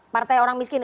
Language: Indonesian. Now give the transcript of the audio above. partai orang miskin